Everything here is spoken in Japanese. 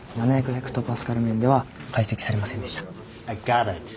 ヘクトパスカル面では解析されませんでした。